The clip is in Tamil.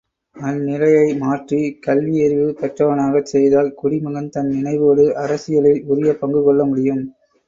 அந்நிலையை மாற்றி, கல்வியறிவு பெற்றவனாகச் செய்தால், குடிமகன், தன் நினைவோடு, அரசியலில் உரிய பங்குகொள்ள முடியும்.